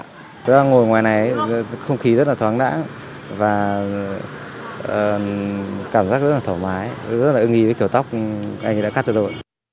tôi đang ngồi ngoài này không khí rất là thoáng đẳng và cảm giác rất là thoải mái rất là ưng ý với kiểu tóc anh ấy đã cắt cho đội